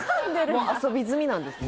もう遊び済みなんですね